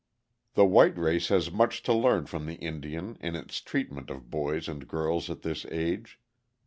The white race has much to learn from the Indian in its treatment of boys and girls at this age.